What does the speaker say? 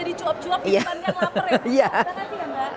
tadi cuap cuap pindahkan yang lapar ya